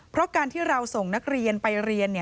เพราะการที่เราส่งนักเรียนไปเรียน